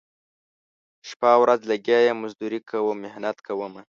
شپه ورځ لګیا یم مزدوري کوم محنت کومه